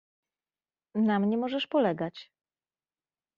"Na mnie możesz polegać."